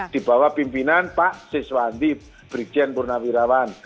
di bawah pimpinan pak siswandi brigjen purnawirawan